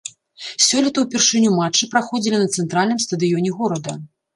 Сёлета ўпершыню матчы праходзілі на цэнтральным стадыёне горада.